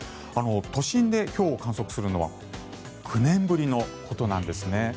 都心でひょうを観測するのは９年ぶりのことなんですね。